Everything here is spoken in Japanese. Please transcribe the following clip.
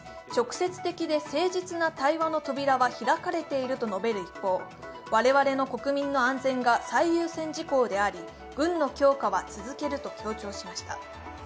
直接的で誠実な対話の扉は開かれていると述べる一方我々の国民の安全が最優先事項であり軍の強化は続けると強調しました。